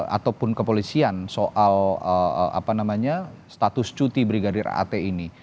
ataupun kepolisian soal status cuti brigadir r a t ini